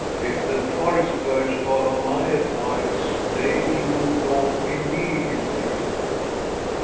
If the forest birds follow my advice, they will move north immediately.'